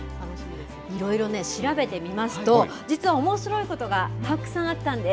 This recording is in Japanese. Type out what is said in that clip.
いろいろね、調べてみますと、実はおもしろいことがたくさんあったんです。